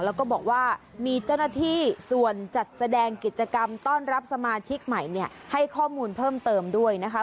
แล้วก็บอกว่ามีเจ้าหน้าที่ส่วนจัดแสดงกิจกรรมต้อนรับสมาชิกใหม่เนี่ยให้ข้อมูลเพิ่มเติมด้วยนะคะ